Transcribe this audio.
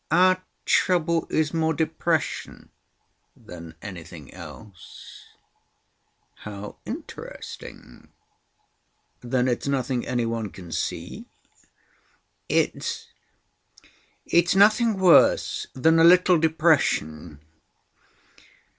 Our trouble is more depression than anything else." "How interesting? Then it's nothing any one can see?" "It's—it's nothing worse than a little depression.